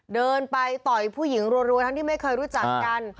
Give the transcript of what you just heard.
เดินไปต่อยผู้หญิงรัวทั้งที่ไม่เคยรู้จักกัน